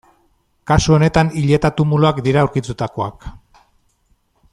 Kasu honetan hileta-tumuluak dira aurkitutakoak.